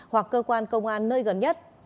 hoặc cơ quan công an nơi gần nhất